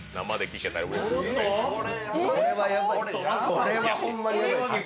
これはホンマにやばい。